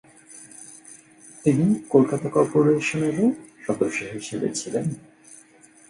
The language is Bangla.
তিনি কলকাতা কর্পোরেশনেরও সদস্য হিসেবে ছিলেন।